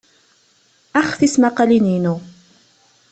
Ax tismaqalin-inu.